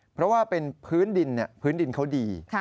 เพราะว่าเป็นพื้นดินเขาดี